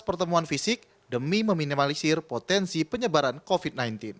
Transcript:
pertemuan fisik demi meminimalisir potensi penyebaran covid sembilan belas